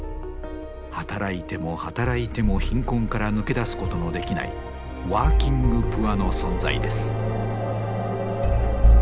働いても働いても貧困から抜け出すことのできないワーキングプアの存在です。